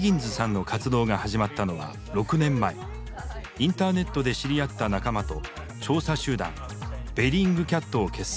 インターネットで知り合った仲間と調査集団ベリングキャットを結成。